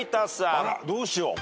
あらどうしよう？